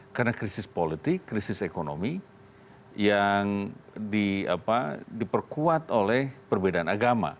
karena krisis politik krisis ekonomi yang diperkuat oleh perbedaan agama